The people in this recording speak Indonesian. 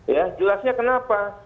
ya jelasnya kenapa